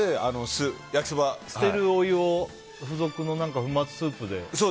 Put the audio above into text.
捨てるお湯を付属の粉末スープで。